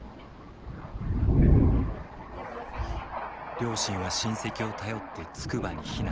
両親は親戚を頼ってつくばに避難。